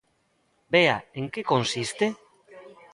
Bea, en que consiste?